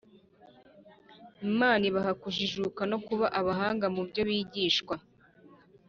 Imana ibaha kujijuka no kuba abahanga mu byo bigishwa